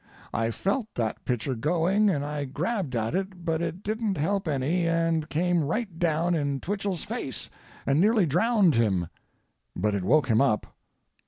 I felt that pitcher going and I grabbed at it, but it didn't help any and came right down in Twichell's face and nearly drowned him. But it woke him up.